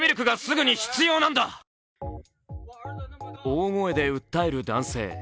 大声で訴える男性。